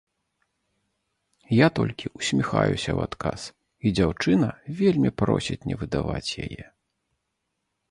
Я толькі ўсміхаюся ў адказ, і дзяўчына вельмі просіць не выдаваць яе.